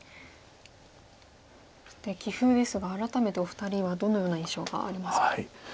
そして棋風ですが改めてお二人はどのような印象がありますか？